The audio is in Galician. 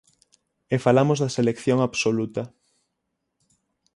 E falamos da selección absoluta.